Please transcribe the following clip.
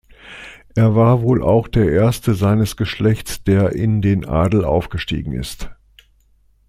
Er war wohl auch der erste seines Geschlechts, der in den Adel aufgestiegen ist.